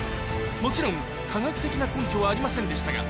もちろん科学的な根拠はありませんでしたが